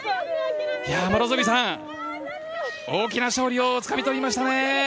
両角さん、大きな勝利をつかみ取りましたね。